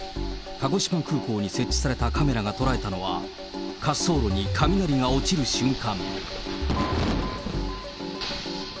鹿児島空港に設置されたカメラが捉えたのは、滑走路に雷が落ちる瞬間。